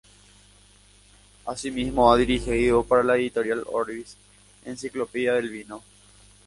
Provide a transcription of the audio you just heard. Asimismo ha dirigido para la editorial Orbis "Enciclopedia del Vino’’.